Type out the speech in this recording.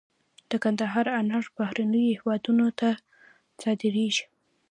د کندهار انار بهرنیو هیوادونو ته صادریږي.